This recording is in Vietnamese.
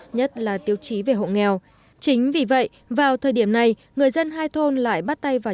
nhất là tiêu chí về hộ nghèo chính vì vậy vào thời điểm này người dân hai thôn lại bắt tay vào